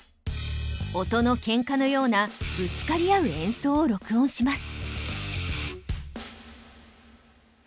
音の喧嘩のようなぶつかり合う演奏を録音します。